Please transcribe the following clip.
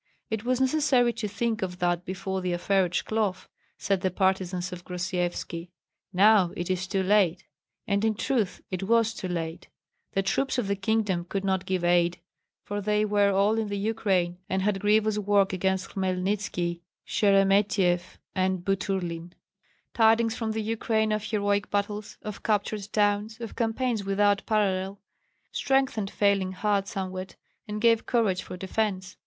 "It was necessary to think of that before the affair at Shklov," said the partisans of Grosyevski; "now it is too late." And in truth it was too late. The troops of the kingdom could not give aid, for they were all in the Ukraine and had grievous work against Hmelnitski, Sheremetyeff, and Buturlin. Tidings from the Ukraine of heroic battles, of captured towns, of campaigns without parallel, strengthened failing hearts somewhat, and gave courage for defence.